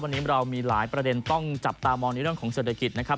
วันนี้เรามีหลายประเด็นต้องจับตามองในเรื่องของเศรษฐกิจนะครับ